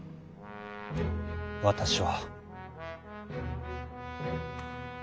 私は。